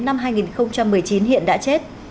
năm hai nghìn một mươi chín hiện đã chết